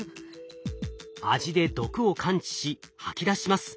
味で毒を感知し吐き出します。